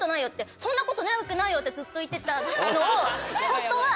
「そんなことないわけないよ」ってずっと言ってたのを。